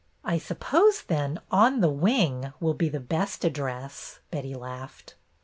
"I suppose, then, 'On the Wing' will be the best address," Betty laughed.